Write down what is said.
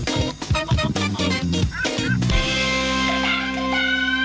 ขาวใส่ไข่สดใหม่ให้เยอะ